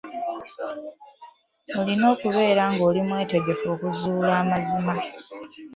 Olina okubeera ng'oli mwetegefu okuzuula amazima.